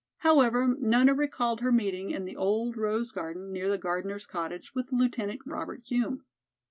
However, Nona recalled her meeting in the old rose garden near the gardener's cottage with Lieutenant Robert Hume.